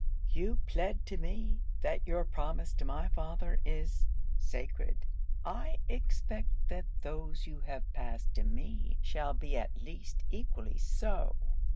You plead to me, that your promise to my father is sacred. I expect that those you have passed to me shall be at least equally so.